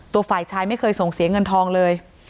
ฝ่ายชายไม่เคยส่งเสียเงินทองเลย